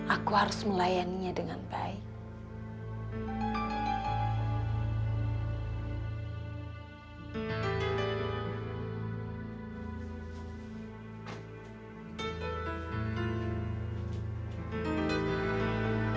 aku harus melayaninya dengan baik